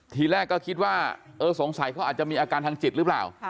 ทีแรกก็คิดว่าเออสงสัยเขาอาจจะมีอาการทางจิตหรือเปล่า